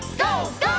ＧＯ！